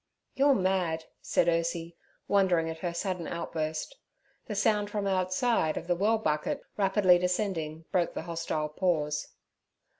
'You're mad' said Ursie, wondering at her sudden outburst. The sound from outside of the well bucket rapidly descending broke the hostile pause.